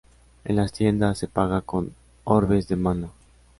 En las tiendas se paga con orbes de mana.